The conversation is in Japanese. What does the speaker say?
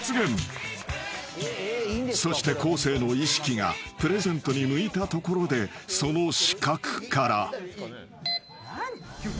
［そして昴生の意識がプレゼントに向いたところでその死角から］